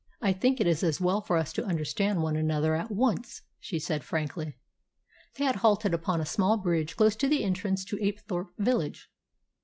"I think it is as well for us to understand one another at once," she said frankly. They had halted upon a small bridge close to the entrance to Apethorpe village.